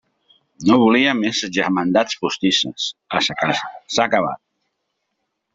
No volia més germandats postisses en sa casa: s'ha acabat.